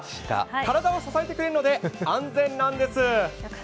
体を支えてくれるので安全なんです。